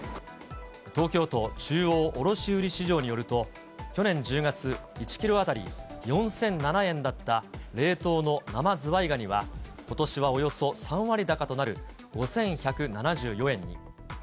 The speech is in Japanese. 東京都中央卸売市場によると、去年１０月、１キロ当たり４００７円だった冷凍の生ズワイガニは、ことしはおよそ３割高となる５１７４円に。